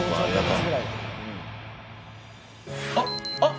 あっあっ！